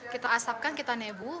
kita asapkan kita nebu